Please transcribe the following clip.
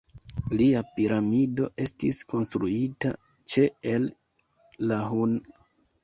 Lia piramido estis konstruita ĉe El-Lahun.